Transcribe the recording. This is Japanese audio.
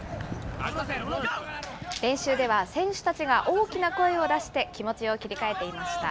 練習では選手たちが大きな声を出して、気持ちを切り替えていました。